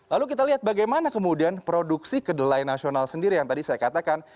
lalu kita lihat bagaimana kemudian produksi kedelai nasional sendiri yang tadi saya katakan